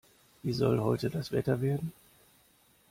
Wie soll heute das Wetter werden?